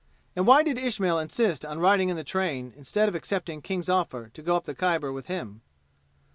And why did Ismail insist on riding in the train, instead of accepting King's offer to go up the Khyber with him?